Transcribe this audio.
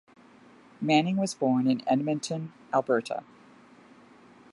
Manning was born in Edmonton, Alberta.